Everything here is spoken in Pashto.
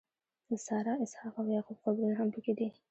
د سارا، اسحاق او یعقوب قبرونه هم په کې دي.